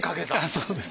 そうです。